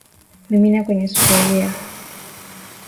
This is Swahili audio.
mimina kwenye sufuria